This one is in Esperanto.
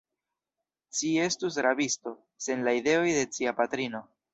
Ci estus rabisto, sen la ideoj de cia patrino.